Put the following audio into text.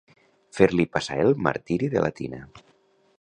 Fer-li passar el martiri de la tina.